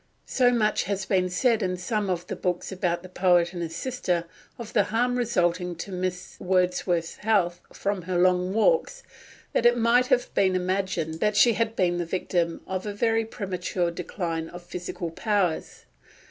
So much has been said in some of the books about the poet and his sister of the harm resulting to Miss Wordsworth's health from her long walks, that it might have been imagined that she had been the victim of a very premature decline of physical powers.